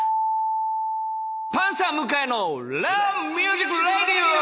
パンサー向井の『ラブミュージックレディオ』！